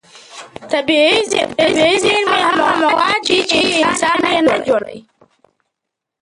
طبیعي زېرمې هغه مواد دي چې انسان یې نه جوړوي.